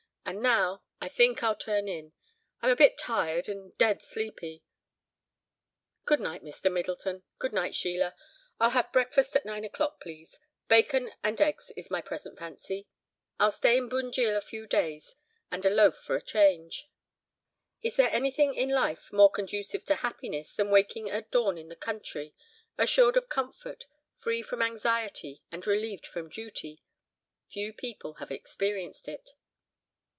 And now, I think I'll turn in. I'm a bit tired, and dead sleepy. Good night, Mr. Middleton, good night, Sheila! I'll have breakfast at nine o'clock, please, bacon and eggs is my present fancy. I'll stay in Bunjil a few days and loaf for a change." If there is anything in life more conducive to happiness than waking at dawn in the country, assured of comfort, free from anxiety and relieved from duty, few people have experienced it.